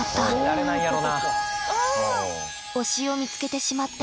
推しを見つけてしまった